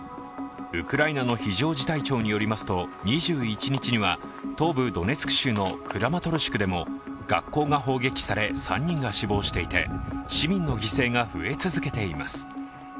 ウクライナの非常事態庁によりますと、２１日には東部ドネツク州のクラマトルシクでも学校が砲撃され３人が死亡していて市民の犠牲が増え続けています。